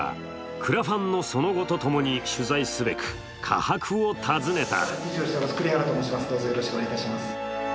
クラファンのその後とともに取材すべく科博を訪ねた。